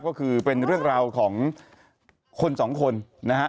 ก็คือเป็นเรื่องราวของคนสองคนนะฮะ